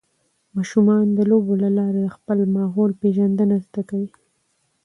ماشومان د لوبو له لارې د خپل ماحول پېژندنه زده کوي.